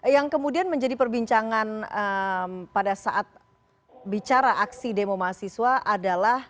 yang kemudian menjadi perbincangan pada saat bicara aksi demo mahasiswa adalah